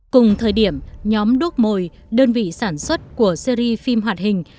cùng thời điểm nhóm đuốc mồi đơn vị sản xuất của series phim hoạt hình